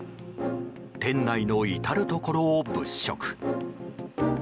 店内の至るところを物色。